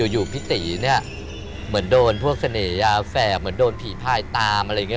อยู่พี่ตีเนี่ยเหมือนโดนพวกเสน่หยาแฝกเหมือนโดนผีพายตามอะไรอย่างนี้